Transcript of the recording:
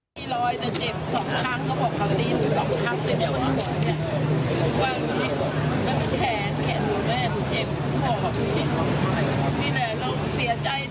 ตีน้องจนเหมือนตายอ่ะตีให้ตาย